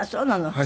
はい。